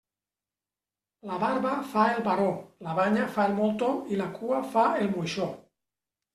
La barba fa el baró, la banya fa el moltó i la cua fa el moixó.